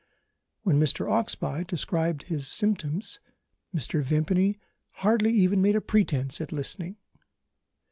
When Mr. Oxbye described his symptoms, Mr. Vimpany hardly even made a pretence at listening.